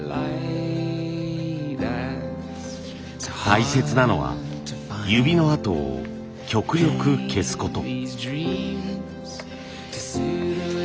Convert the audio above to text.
大切なのは指の跡を極力消すこと。